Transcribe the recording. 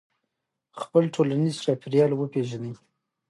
خپل ټولنیز چاپېریال وپېژنئ.